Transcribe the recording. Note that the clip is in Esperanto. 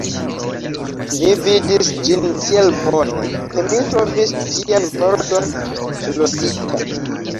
Mi vidis ĝin tiel bone, ke mi trovis ĝian pordon ŝlosita.